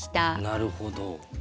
なるほど。